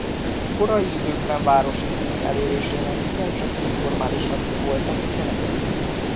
A korai időkben a városi cím elérésének igencsak informálisak voltak a keretei.